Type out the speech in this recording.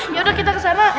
ya udah kita kesana